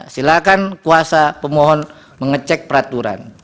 silakan kuasa pemohon mengecek peraturan